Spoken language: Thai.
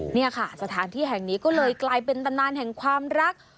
นี่ค่ะสถานที่แห่งนี้ก็เลยกลายเป็นตำนานแห่งความรัก